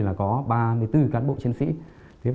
là có ba mươi bốn cán bộ chiến sĩ